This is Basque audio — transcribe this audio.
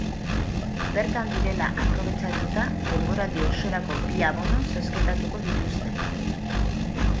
Bertan direla aprobetxatuta denboraldi osorako bi abono zozketatuko dituzte.